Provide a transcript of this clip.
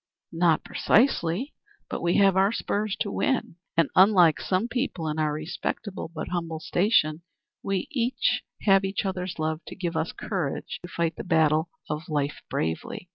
"Not precisely; but we have our spurs to win. And, unlike some people in our respectable, but humble station, we have each other's love to give us courage to fight the battle of life bravely.